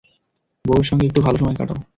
বৌয়ের সঙ্গে একটু ভালো সময় কাটাও।